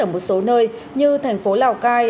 ở một số nơi như thành phố lào cai